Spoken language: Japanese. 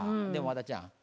でもワダちゃん